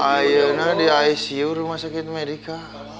ayahnya di icu rumah sakit medika